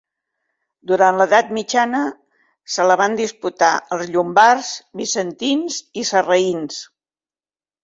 Durant l'edat mitjana se la van disputar els llombards, bizantins i sarraïns.